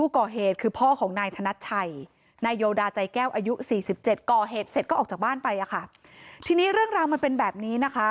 ก่อเหตุเสร็จก็ออกจากบ้านไปค่ะที่นี้เรื่องราวมันเป็นแบบนี้นะคะ